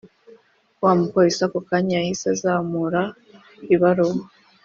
wamupolice akokanya yahise azamura ibaruwa